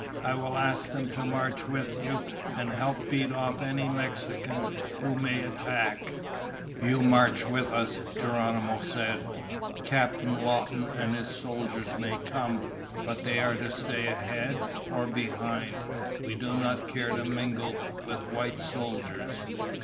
I will ask them to march with you and help beat off any Mexicans who may attack." "You march with us," Geronimo said. "Captain Lawton and his soldiers may come, but they are to stay ahead or behind. We do not care to mingle with white soldiers."